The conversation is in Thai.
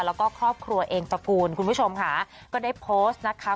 แล้วก็ครอบครัวเองตระกูลคุณผู้ชมค่ะก็ได้โพสต์นะคะ